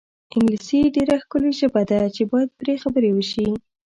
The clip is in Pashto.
انګلیسي ډېره ښکلې ژبه ده چې باید پرې خبرې وشي.